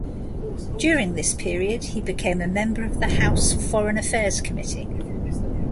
During this period, he became a member of the House Foreign Affairs Committee.